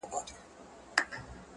• زلمي به خاندي په شالمار کي -